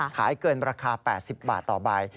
ขายเกินราคา๘๐บาทต่อใบ